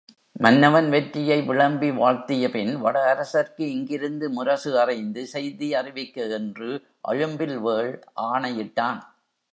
மன்னவன் வெற்றியை விளம்பி வாழ்த்தியபின் வடஅரசர்க்கு இங்கிருந்து முரசு அறைந்து செய்தி அறிவிக்க என்று அழும்பில் வேள் ஆணையிட்டான்.